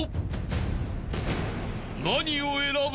［何を選ぶ？］